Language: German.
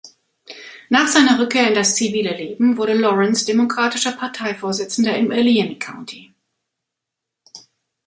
Nach seiner Rückkehr in das zivile Leben wurde Lawrence demokratischer Parteivorsitzender im Allegheny County.